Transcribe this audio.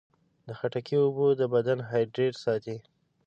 د خټکي اوبه د بدن هایډریټ ساتي.